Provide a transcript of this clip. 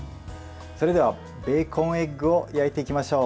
それでは、ベーコンエッグを焼いていきましょう。